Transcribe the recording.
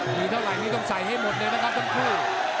มีเท่าไหร่นี่ต้องใส่ให้หมดเลยนะครับทั้งคู่